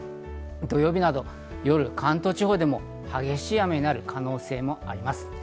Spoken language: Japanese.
土曜日など、夜、関東地方でも激しい雨になる可能性もあります。